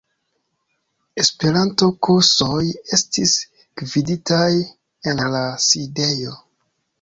Esperanto-kursoj estis gviditaj en la sidejo.